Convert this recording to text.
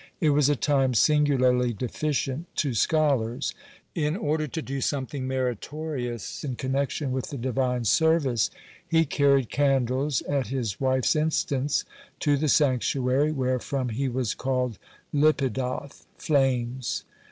It was a time singularly deficient to scholars. (73) In order to do something meritorious in connection with the Divine service, he carried candles, at his wife's instance, to the sanctuary, wherefrom he was called Lipidoth, "Flames."